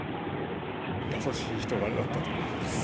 優しい人柄だったと思います。